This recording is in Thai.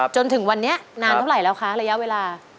จนถึงวันนี้นานเท่าไหร่แล้วคะระยะเวลา